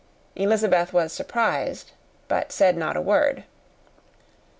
Elizabeth was surprised, but said not a word.